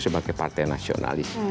sebagai partai nasionalis